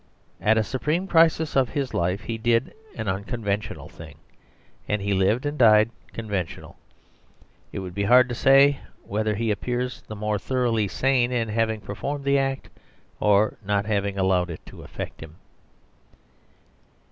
At a supreme crisis of his life he did an unconventional thing, and he lived and died conventional. It would be hard to say whether he appears the more thoroughly sane in having performed the act, or in not having allowed it to affect him.